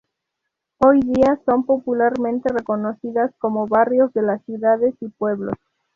Hoy día son popularmente reconocidas como barrios de las ciudades y pueblos.